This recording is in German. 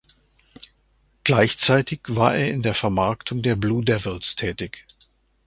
Gleichzeitig war er in der Vermarktung der Blue Devils tätig.